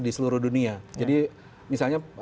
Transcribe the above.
duruh dunia jadi misalnya